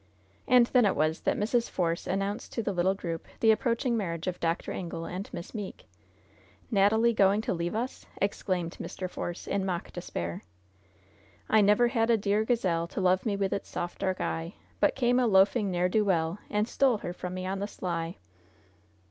And then it was that Mrs. Force announced to the little group the approaching marriage of Dr. Ingle and Miss Meeke. "Natalie going to leave us!" exclaimed Mr. Force, in mock despair. "'I never had a dear gazelle To love me with its soft, dark eye, But came a loafing ne'er do well And stole her from me on the sly!'"